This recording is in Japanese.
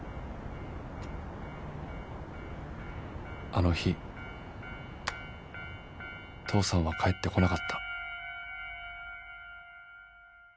あの日父さんは帰ってこなかった